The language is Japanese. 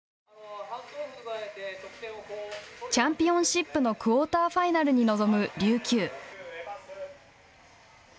チャンピオンシップのクオーターファイナルに臨む琉球。